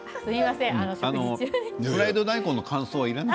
フライド大根の感想はいらない？